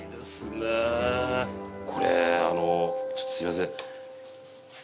これあのちょっとすいません